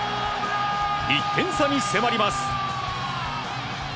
１点差に迫ります。